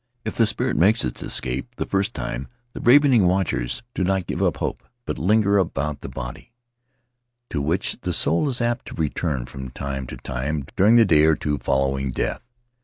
If the spirit makes its escape the first time the ravening watchers do not give up hope, but linger about the body, to which the soul is apt to return from time to time during the day or two following death.